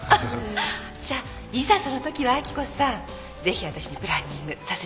じゃあいざそのときは明子さんぜひわたしにプランニングさせてください。